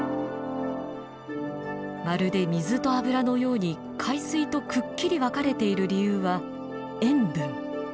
まるで水と油のように海水とくっきり分かれている理由は塩分。